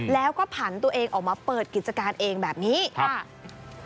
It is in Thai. แล้วก็ผันตัวเองออกมาเปิดกิจการเองแบบนี้ค่ะ